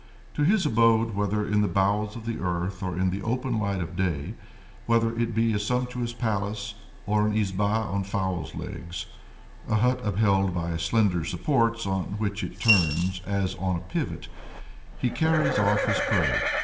To his abode, whether in the bowels of the earth, or in the open light of day whether it be a sumptuous palace or "an izba on fowl's legs," a hut upheld by slender supports on which it turns as on a pivot he carries off his prey.